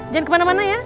jangan kemana mana ya